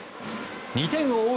２点を追う